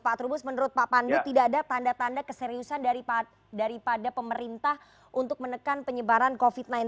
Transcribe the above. pak trubus menurut pak pandu tidak ada tanda tanda keseriusan daripada pemerintah untuk menekan penyebaran covid sembilan belas